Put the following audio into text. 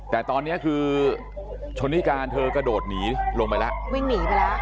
แต่ตอนนี้คือชนิการเธอกระโดดหนีลงไปแล้ว